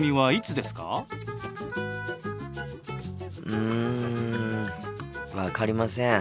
うん分かりません。